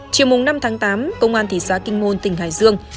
chiều năm tháng tám công an thị xã kinh môn tỉnh hải dương